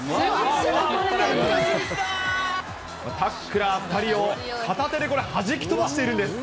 タックラー２人を片手でこれ、はじき飛ばしているんです。